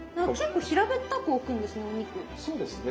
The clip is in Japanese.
そうですね。